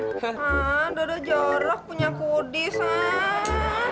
hmm dodo jarah punya qudish hah